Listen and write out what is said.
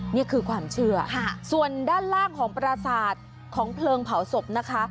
นี่คือความเชื่อส่วนด้านล่างของปราศาสตร์ของเพลิงเผาศพนะคะ